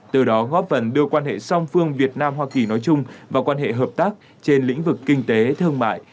từ đó góp phần đưa quan hệ song phương việt nam hoa kỳ nói chung và quan hệ hợp tác trên lĩnh vực kinh tế thương mại